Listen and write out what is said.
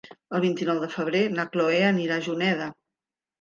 El vint-i-nou de febrer na Chloé anirà a Juneda.